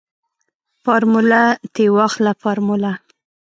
فارموله تې واخله فارموله.